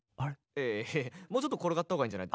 いやいやもうちょっと転がったほうがいいんじゃない？